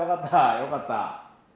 よかった。